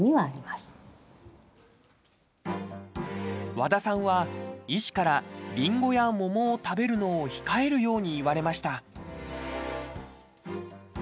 和田さんは医師からりんごや桃を食べるのを控えるように言われました。